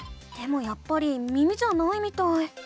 でもやっぱり耳じゃないみたい。